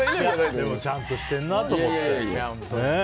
でも、ちゃんとしてるなと思って。